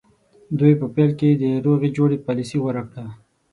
دوی په پیل کې د روغې جوړې پالیسي غوره کړه.